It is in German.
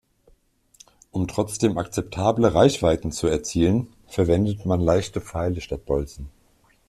Um trotzdem akzeptable Reichweiten zu erzielen, verwendete man leichte Pfeile statt Bolzen.